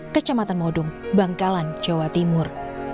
kecamatan modung bangkalan jawa timur